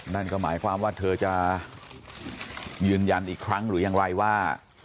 นั่นก็หมายความว่าเธอจะยืนยันอีกครั้งหรือยังไรว่า